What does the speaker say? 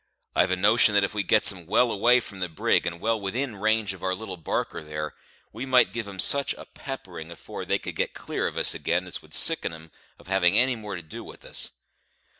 I've a notion that if we gets 'em well away from the brig, and well within range of our little barker there, we might give 'em such a peppering afore they could get clear of us ag'in as would sicken 'em of having any more to do with us.